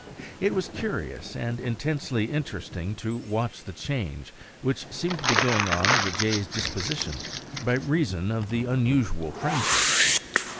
It was curious and intensely interesting to watch the change which seemed to be going on in the jays' disposition by reason of the unusual friendship.